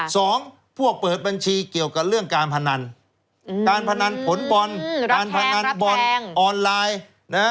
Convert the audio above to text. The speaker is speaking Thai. พวกเปิดบัญชีเกี่ยวกับเรื่องการพนันการพนันผลบอลการพนันบอลออนไลน์นะฮะ